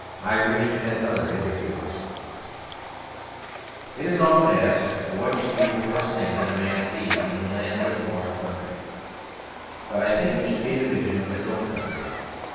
Irish and other Interviewers It is often asked what should be the first thing that a man sees when he lands in a foreign country; but I think it should be the vision of his own country.